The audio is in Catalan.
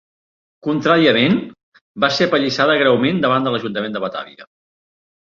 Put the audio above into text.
Contràriament, va ser apallissada greument davant de l'ajuntament de Batavia.